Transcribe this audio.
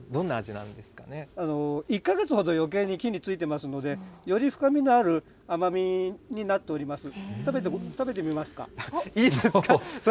１か月ほどよけいに木についてますので、より深みがある、甘みになっております。